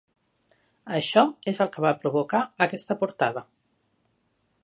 Això és el que va provocar aquesta portada.